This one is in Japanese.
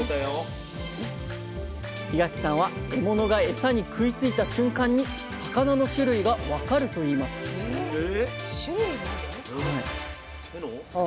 檜垣さんは獲物が餌に食いついた瞬間に魚の種類が分かると言いますえ